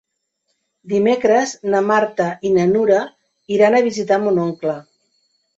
Dimecres na Marta i na Nura iran a visitar mon oncle.